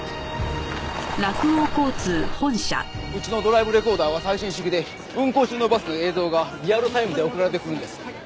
うちのドライブレコーダーは最新式で運行中のバスの映像がリアルタイムで送られてくるんです。